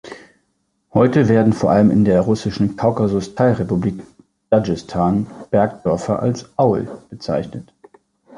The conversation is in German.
Heute werden vor allem in der russischen Kaukasus-Teilrepublik Dagestan Bergdörfer als Aul bezeichnet.